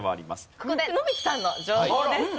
ここで野口さんの情報です。